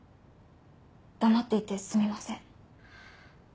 黙っていてすみません。